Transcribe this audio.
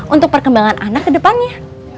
untuk perkembangan anak ke depannya